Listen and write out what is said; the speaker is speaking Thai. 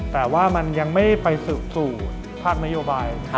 แต่ว่ามันยังไม่ไปสืบสู่ภาคนโยบาย